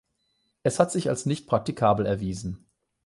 Es hat sich als nicht praktikabel erwiesen.